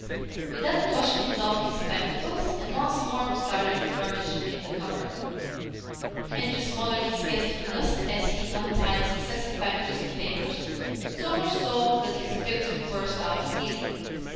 With that Plushkin donned his spectacles, and once more started to rummage in the cupboard, and to smother his guest with dust as he untied successive packages of papers so much so that his victim burst out sneezing.